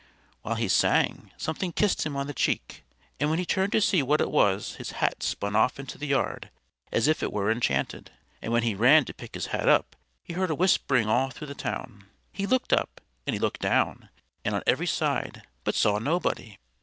While he sang, something kissed him on the cheek; and when he turned to see what it was his hat spun off into the yard as if it were enchanted; and when he ran to pick his hat up he heard a whispering all through the town. He looked up, and he looked down, and on every side, but saw nobody!